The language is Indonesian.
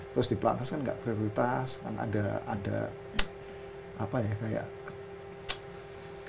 terus di pelatnas kan nggak prioritas kan ada apa ya kayak